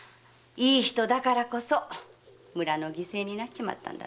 いい人だからこそ村の犠牲になっちまって。